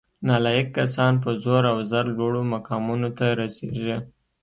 نالایق کسان په زور او زر لوړو مقامونو ته رسیږي